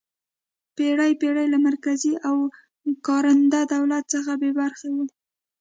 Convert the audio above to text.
پېړۍ پېړۍ له مرکزي او کارنده دولت څخه بې برخې وه.